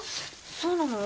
そうなの？